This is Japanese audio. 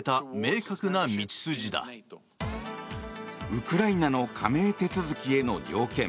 ウクライナの加盟手続きへの条件。